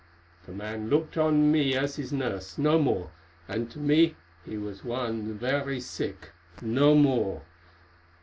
The man looked on me as his nurse, no more, and to me he was one very sick, no more.